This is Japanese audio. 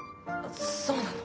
そうなの？